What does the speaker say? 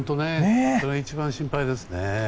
それが一番心配ですね。